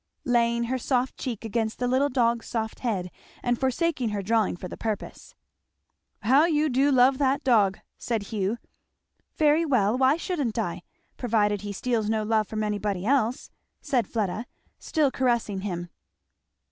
(laying her soft cheek against the little dog's soft head and forsaking her drawing for the purpose.) "How you do love that dog!" said Hugh. "Very well why shouldn't I? provided he steals no love from anybody else," said Fleda, still caressing him.